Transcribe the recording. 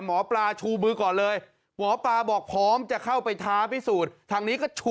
หมอปลาไม่ต้องมาย้อนไปดูพิธีกรรมอีกที